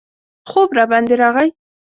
خوب راباندې راغی.